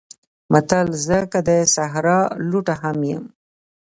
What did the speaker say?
متل: زه که د صحرا لوټه هم یم